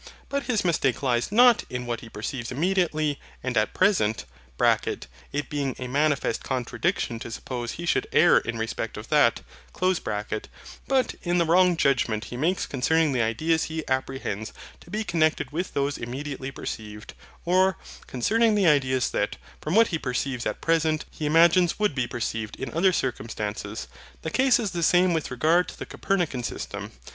But his mistake lies not in what he perceives immediately, and at present, (it being a manifest contradiction to suppose he should err in respect of that) but in the wrong judgment he makes concerning the ideas he apprehends to be connected with those immediately perceived: or, concerning the ideas that, from what he perceives at present, he imagines would be perceived in other circumstances. The case is the same with regard to the Copernican system.